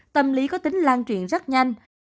tâm lý có tính lan truyền rất nhanh